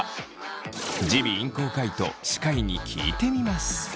耳鼻咽喉科医と歯科医に聞いてみます。